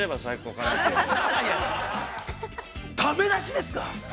だめ出しですか。